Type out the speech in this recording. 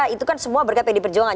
itu kan semua berkat pd perjuangan